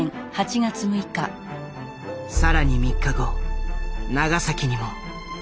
更に３日後長崎にも。